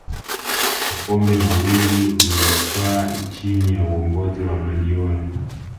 makombe mawili ilitwaa chini ya uongozi wa guardiola